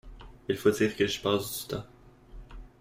Il faut dire que j’y passe du temps.